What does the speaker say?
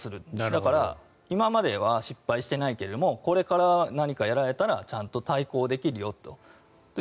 だから、今までは失敗していないけどこれから何かやられたらちゃんと対抗できるよと。